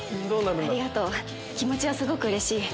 ありがとう気持ちはすごくうれしい。